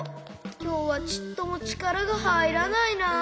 きょうはちっともちからがはいらないなぁ。